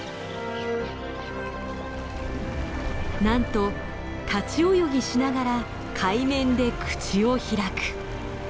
なんと立ち泳ぎしながら海面で口を開く。